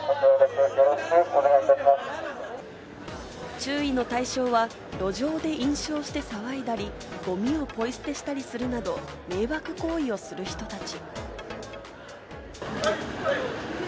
注意の対象は路上で飲酒をして騒いだり、ゴミをポイ捨てしたりするなど、迷惑行為をする人たち。